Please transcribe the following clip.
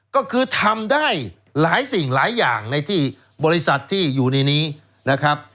ก็คือทำได้หลายสิ่งหลายอย่างในที่บริษัทที่อยู่ในนี้นะครับ